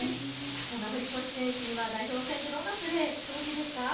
その堀越選手には代表戦でどんなプレーをしてほしいですか。